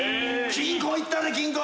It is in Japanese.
金庫いったれ金庫！